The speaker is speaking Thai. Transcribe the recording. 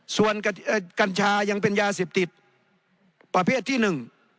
ส่วนกัญชายังเป็นยาเสพติดประเภทที่หนึ่ง